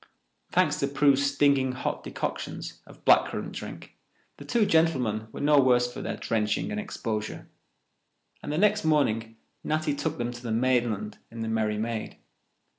Thanks to Prue's stinging hot decoctions of black currant drink, the two gentlemen were no worse for their drenching and exposure, and the next morning Natty took them to the mainland in the Merry Maid.